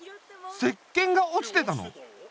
石けんが落ちてたの？